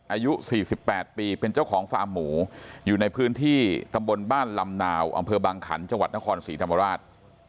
อายุ๔๘ปีเป็นเจ้าของฟาร์มหมูอยู่ในพื้นที่ตำบลบ้านลำนาวอำเภอบางขันจังหวัดนครศรีธรรมราช